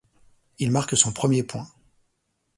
Il marque son premier point.